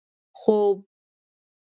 خوب